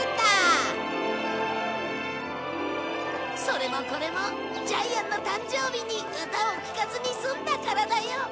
それもこれもジャイアンの誕生日に歌を聴かずに済んだからだよ。